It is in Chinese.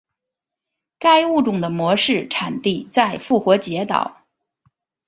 该物种的模式产地在复活节岛。